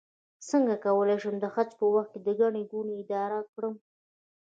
څنګه کولی شم د حج په وخت کې د ګڼې ګوڼې اداره کړم